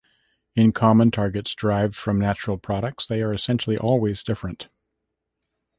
In common targets derived from natural products, they are essentially always different.